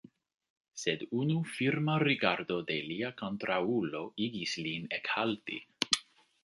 Sed unu firma rigardo de lia kontraŭulo igis lin ekhalti.